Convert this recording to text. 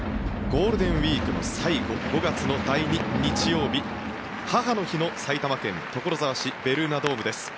ゴールデンウィークの最後５月の第２日曜日母の日の埼玉県所沢市ベルーナドームです。